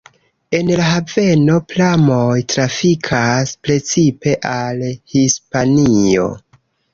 En la haveno pramoj trafikas precipe al Hispanio.